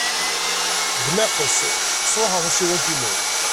Bnaqes, sṛuḥeɣ tasiwant-inu.